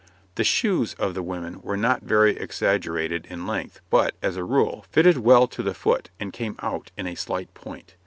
The shoes of the women were not very exaggerated in length, but, as a rule, fitted well to the foot and came out in a slight point.